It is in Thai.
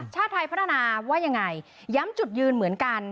ชาติไทยพัฒนาว่ายังไงย้ำจุดยืนเหมือนกัน